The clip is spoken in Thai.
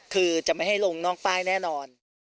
คือจะไม่ให้ลงนอกป้ายแน่นอน